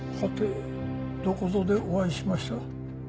どこぞでお会いしました？